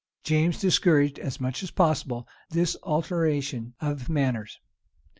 James discouraged, as much as possible, this alteration of manners.